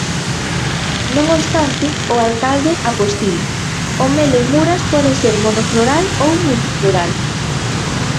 Non obstante, o alcalde apostila: O mel en Muras pode ser monofloral ou multifloral.